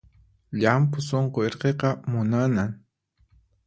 Llampu sunqu irqiqa munanan